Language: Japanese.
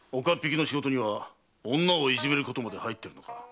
岡っ引きの仕事には女をいじめることまで入ってるのか？